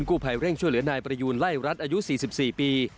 กู้ภัยเร่งช่วยเหลือนายประยูนไล่รัฐอายุ๔๔ปี